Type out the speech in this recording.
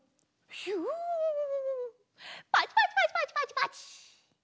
ひゅパチパチパチパチパチパチ。